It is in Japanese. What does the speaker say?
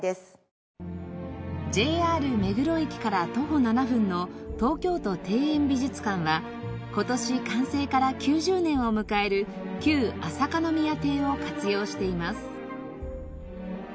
ＪＲ目黒駅から徒歩７分の東京都庭園美術館は今年完成から９０年を迎える旧朝香宮邸を活用しています。